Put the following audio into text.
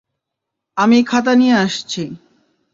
আমি খাতা নিয়ে আসছি।